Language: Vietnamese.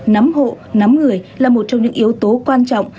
nắm hộ nắm người là một trong những yếu tố quan trọng